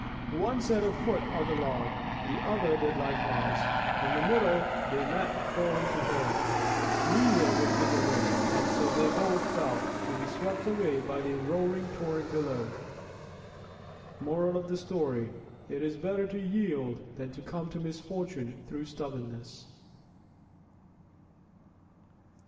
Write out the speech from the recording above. One set her foot on the log. The other did likewise. In the middle they met horn to horn. Neither would give way, and so they both fell, to be swept away by the roaring torrent below. _It is better to yield than to come to misfortune through stubbornness.